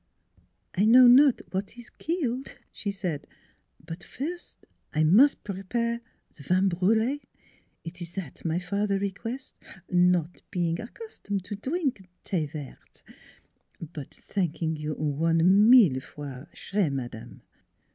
" I know not w'at is ' keeled '," she said, " but first I mus' prepare ze vin brule; eet ees zat my fat'er reques' not being accustom to drink the vert but t'anking you one mille time, chere madame."